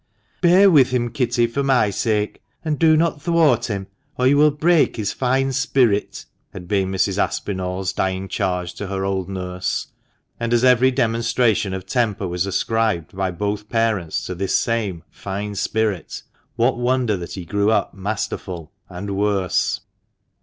" Bear with him, Kitty, for my sake, and do not thwart him, or you will break his fine spirit," had been Mrs. Aspinall's dying charge to her old nurse ; and as every demonstration of temper was ascribed by both parents to this same " fine spirit," what wonder that he grew up masterful — and worse